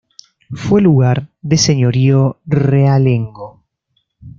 Fue lugar de señorío realengo.